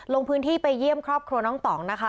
ลงพื้นที่ไปเยี่ยมครอบครัวน้องต่องนะคะ